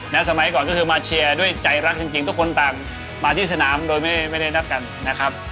สมัยก่อนก็คือมาเชียร์ด้วยใจรักจริงทุกคนต่างมาที่สนามโดยไม่ได้นัดกันนะครับ